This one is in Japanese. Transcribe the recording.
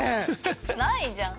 ないじゃん。